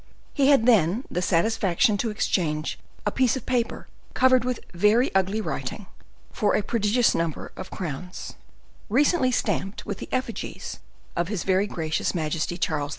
He had then the satisfaction to exchange a piece of paper, covered with very ugly writing, for a prodigious number of crowns, recently stamped with the effigies of his very gracious majesty Charles II.